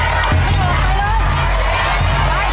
ไม่ออกไปเลย